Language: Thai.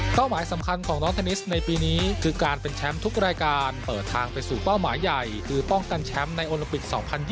หมายสำคัญของน้องเทนนิสในปีนี้คือการเป็นแชมป์ทุกรายการเปิดทางไปสู่เป้าหมายใหญ่คือป้องกันแชมป์ในโอลิมปิก๒๐๒๐